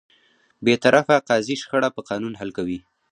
بېطرفه قاضي شخړه په قانون حل کوي.